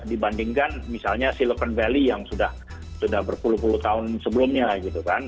dibandingkan misalnya silicon valley yang sudah berpuluh puluh tahun sebelumnya gitu kan